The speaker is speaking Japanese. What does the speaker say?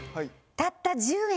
たった１０円？